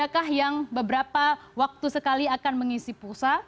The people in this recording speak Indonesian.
anda kah yang beberapa waktu sekali akan mengisi pulsa